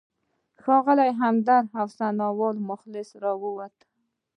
ښاغلی همدرد او ثناالله مخلص راووتل.